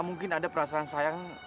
mungkin ada perasaan sayang